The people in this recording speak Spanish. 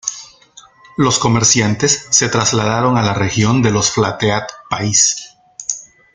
Los comerciantes se trasladaron a la región de los flathead país.